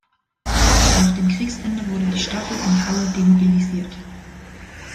Nach dem Kriegsende wurde die Staffel in Halle demobilisiert.